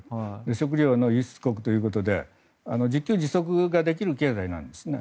食料の輸出国ということで自給自足ができる経済なんですね。